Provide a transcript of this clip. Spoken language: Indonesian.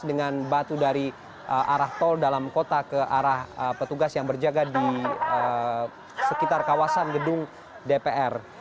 dengan batu dari arah tol dalam kota ke arah petugas yang berjaga di sekitar kawasan gedung dpr